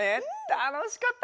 たのしかった！